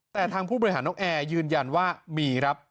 แต่ทางผู้บริหารน้องแอร์ยืนยันว่ามีครับ